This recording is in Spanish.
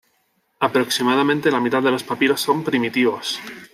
Aproximadamente la mitad de los papiros son "primitivos".